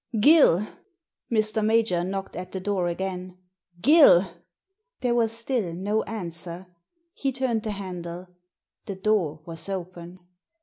"Gill!" Mr. Major knocked at the door again. " Gill !" There was still no answer. He turned the handle. The door was open.